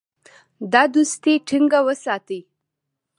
دا دوستي ټینګه وساتي.